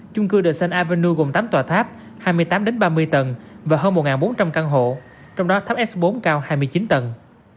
chung cư đề sanh avanou gồm tám tòa tháp hai mươi tám ba mươi tầng và hơn một bốn trăm linh căn hộ trong đó tháp s bốn cao hai mươi chín tầng